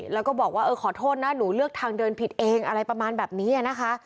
แล้วก็บอกว่าเออขอโทษนะหนูเลือกทางเดินผิดเองอะไรประมาณแบบนี้นะคะ